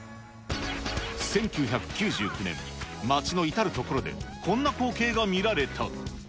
１９９９年、街の至る所でこんな光景が見られた。